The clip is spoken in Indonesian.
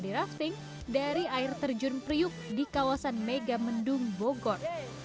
kami berada di bandara badirafting dari air terjun priuk di kawasan megamendung bogor